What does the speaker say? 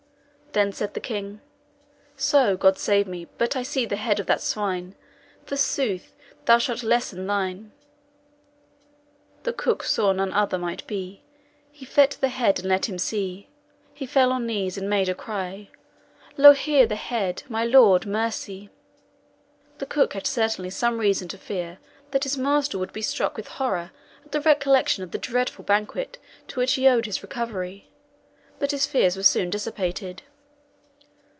Then said the king, 'So God me save, But I see the head of that swine, For sooth, thou shalt lesen thine!' The cook saw none other might be; He fet the head and let him see. He fell on knees, and made a cry 'Lo, here the head! my Lord, mercy!'" The cook had certainly some reason to fear that his master would be struck with horror at the recollection of the dreadful banquet to which he owed his recovery; but his fears were soon dissipated.